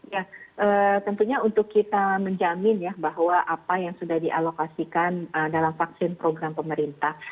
ya tentunya untuk kita menjamin ya bahwa apa yang sudah dialokasikan dalam vaksin program pemerintah